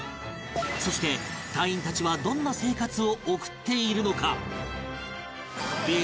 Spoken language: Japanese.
そして隊員たちはどんな生活を送っているのか？